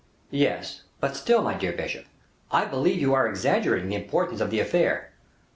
"Yes; but still, my dear bishop, I believe you are exaggerating the importance of the affair."